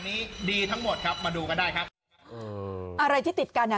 นี้ดีทั้งหมดครับมาดูกันได้ครับเอออะไรที่ติดกันอ่ะ